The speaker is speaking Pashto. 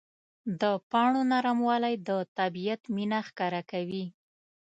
د پاڼو نرموالی د طبیعت مینه ښکاره کوي.